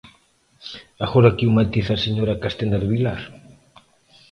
Agora que o matice a señora Castenda do Vilar.